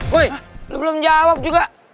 woy lo belum jawab juga